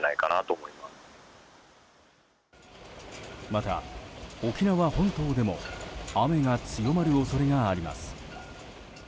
また、沖縄本島でも雨が強まる恐れがあります。